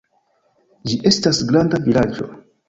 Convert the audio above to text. Ĝi estas granda vilaĝo.